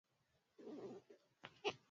Ameenda kutafuta pesa Uarabuni